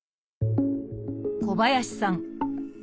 小林さん